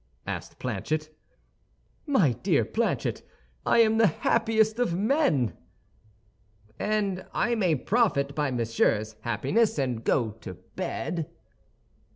asked Planchet. "My dear Planchet, I am the happiest of men!" "And I may profit by Monsieur's happiness, and go to bed?"